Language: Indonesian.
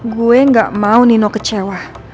gue gak mau nino kecewa